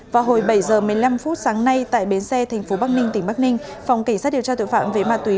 vào hồi bảy h một mươi năm sáng nay tại bến xe tp hcm phòng cảnh sát điều tra tội phạm về ma túy